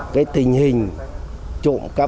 cái tình hình trộm cắp